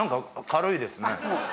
軽いですね